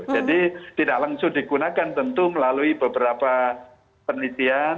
jadi tidak langsung digunakan tentu melalui beberapa penelitian